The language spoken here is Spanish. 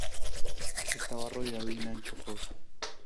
Estaba rodeado de un ancho foso.